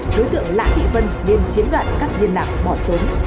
đối tượng lã thị vân đến chiến đoạn cắt viên lạc bỏ trốn